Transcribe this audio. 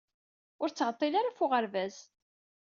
Ur ttɛeṭṭil ara ɣef uɣeṛbaz.